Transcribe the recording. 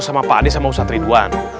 sama pak ade sama ustadz ridwan